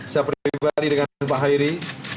saya pribadi dengan pak hairi